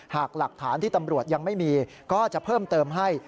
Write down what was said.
หากหลักฐานที่ตำรวจยังไม่มีก็จะเพิ่มเติมให้